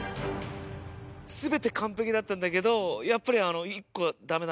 全て完璧だったんだけどやっぱり。